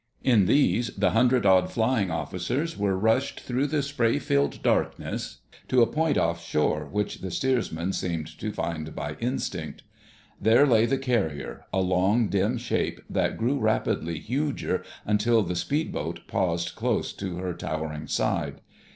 In these the hundred odd flying officers were rushed through the spray filled darkness to a point offshore which the steersmen seemed to find by instinct. There lay the carrier, a long, dim shape that grew rapidly huger until the speedboat paused close to her towering side.